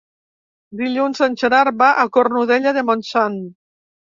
Dilluns en Gerard va a Cornudella de Montsant.